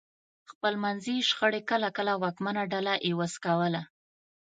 خپلمنځي شخړې کله کله واکمنه ډله عوض کوله